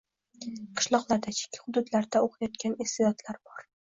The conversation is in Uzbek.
Qishloqlarda, chekka hududlarda o‘qiyotgan iste’dodlar bor.